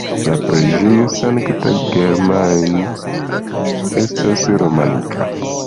La preĝejo Sankta Germain estas romanika.